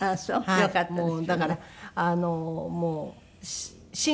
よかったですよね。